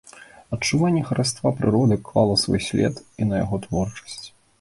Адчуванне хараства прыроды клала свой след і на яго творчасць.